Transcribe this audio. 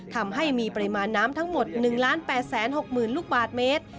ทำให้มีปริมาณน้ำทั้งหมด๑๘๖๐๐๐ลูกบาทเมตร